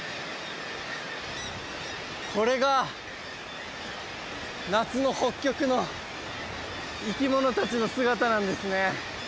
これが夏の北極の生き物達の姿なんですね